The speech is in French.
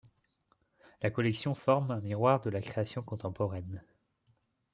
La collection forme un miroir de la création contemporaine.